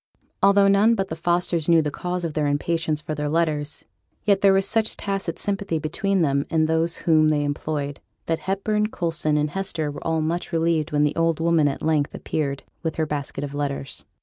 Although none but the Fosters knew the cause of their impatience for their letters, yet there was such tacit sympathy between them and those whom they employed, that Hepburn, Coulson, and Hester were all much relieved when the old woman at length appeared with her basket of letters.